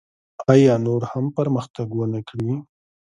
آیا نور هم پرمختګ ونکړي؟